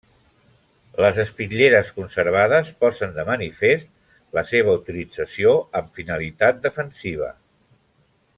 Les espitlleres conservades posen de manifest la seva utilització amb finalitat defensiva.